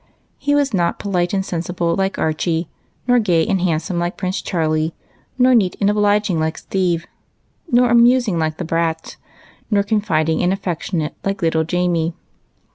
He was not polite and sensi ble like Archie, nor gay and handsome like Prince Charlie, nor neat and obliging like Steve, nor amusing like the "Brats," nor confiding and affectionate like little Jamie.